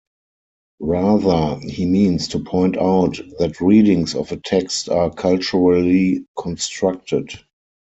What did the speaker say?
Rather, he means to point out that readings of a text are culturally constructed.